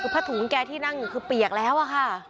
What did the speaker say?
ผ้าถุงแกที่นั่งคือเปียกแล้วอะค่ะ